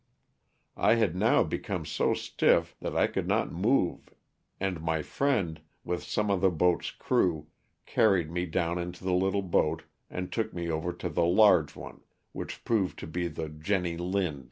I had now become so stiff that I could not move and my friend, with some of the boat's crew, carried me down into a little boat and took me over to the large one, which proved to be the ''Jenny Lind."